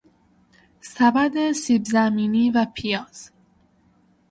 سبد سیبزمینی و پیاز